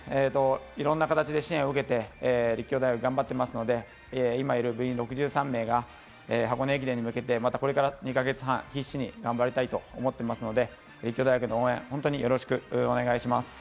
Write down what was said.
いろんな形で試練を受けて、立教大学、頑張ってますので、今いる部員６３名が箱根駅伝に向けてこれから２か月半、必死に頑張りたいと思ってますので、立教大学の応援、本当によろしくお願いいたします。